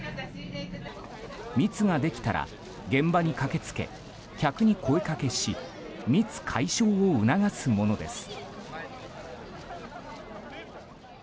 密ができたら現場に駆け付け客に声掛けし密解消を促すものです。